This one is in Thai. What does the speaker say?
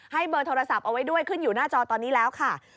เบอร์โทรศัพท์เอาไว้ด้วยขึ้นอยู่หน้าจอตอนนี้แล้วค่ะ